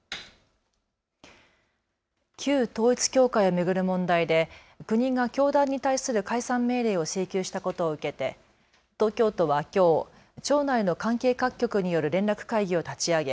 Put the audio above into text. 旧統一教会を巡る問題で国が教団に対する解散命令を請求したことを受けて東京都はきょう庁内の関係各局による連絡会議を立ち上げ